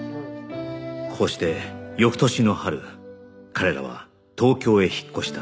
こうして翌年の春彼らは東京へ引っ越した